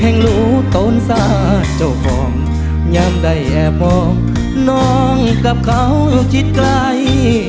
แห่งรู้ต้นซ่าเจ้าฟองยังได้แอบบอกน้องกับเขาจิตใกล้